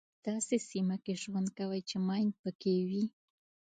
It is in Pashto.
په داسې سیمه کې ژوند کوئ چې ماین پکې وي.